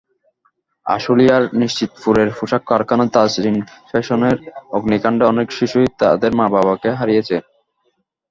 আশুলিয়ার নিশ্চিন্তপুরের পোশাক কারখানা তাজরীন ফ্যাশনসের অগ্নিকাণ্ডে অনেক শিশুই তাদের মা-বাবাকে হারিয়েছে।